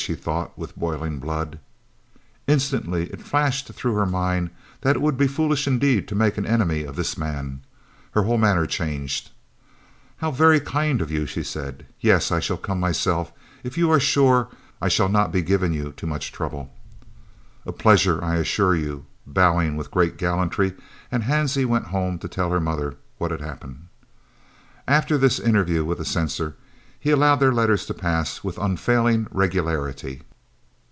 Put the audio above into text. she thought, with boiling blood. Instantly it flashed through her mind that it would be foolish indeed to make an enemy of this man. Her whole manner changed. "How very kind of you!" she said. "Yes, I shall come myself if you are sure I shall not be giving you too much trouble." "A pleasure, I assure you," bowing with great gallantry, and Hansie went home to tell her mother what had happened. After this interview with the censor, he allowed their letters to pass with unfailing regularity.